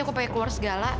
aku pengen keluar segala